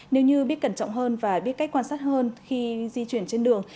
nếu như biết cẩn trọng hơn và biết cách quan sát hơn khi di chuyển trên đường